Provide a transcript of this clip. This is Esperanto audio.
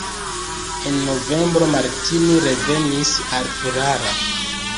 En novembro Martini revenis al Ferrara.